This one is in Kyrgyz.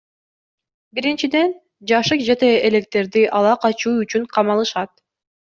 Биринчиден, жашы жете электерди ала качуу үчүн камалышат.